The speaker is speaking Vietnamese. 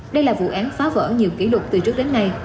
đây là vụ án phá vỡ nhiều kỷ lục từ trước đến nay